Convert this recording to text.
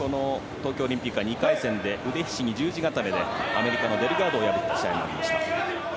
東京オリンピックは２回戦で腕ひしぎ十字固めでアメリカの選手を破った試合もありました。